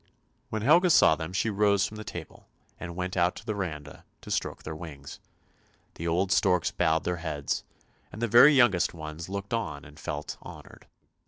When Helga saw them she rose from the table and went out on to the verandah to stroke their wings. The old storks bowed their heads, and the very youngest ones looked on and felt honoured.